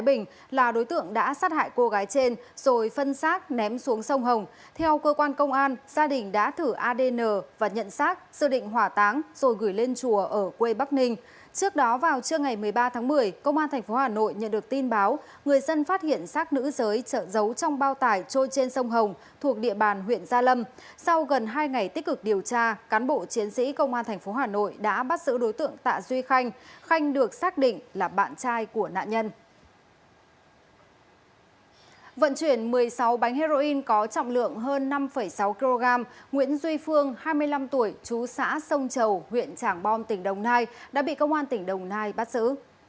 bánh heroin có trọng lượng hơn năm sáu kg nguyễn duy phương hai mươi năm tuổi chú xã sông chầu huyện tràng bom tỉnh đồng nai đã bị công an tỉnh đồng nai bắt xử